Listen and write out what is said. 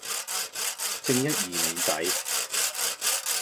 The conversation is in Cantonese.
正一二五仔